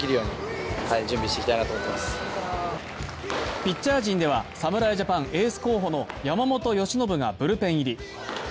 ピッチャー陣では侍ジャパン・エース候補の山本由伸がブルペン入り。